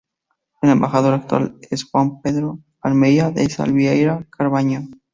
El embajador actual es João Pedro de Almeida da Silveira Carvalho.